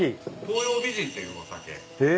東洋美人というお酒。へ。